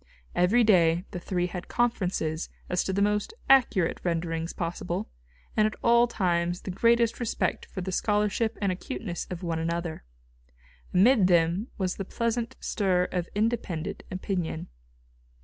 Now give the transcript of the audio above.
Every day the three had conferences as to the most accurate renderings possible, and at all times the greatest respect for the scholarship and acuteness of one another. Amid them was the pleasant stir of independent opinion.